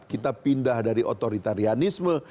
kita pindah dari otoritarianisme